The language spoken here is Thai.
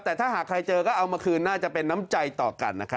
แต่ถ้าหากใครเจอก็เอามาคืนน่าจะเป็นน้ำใจต่อกันนะคะ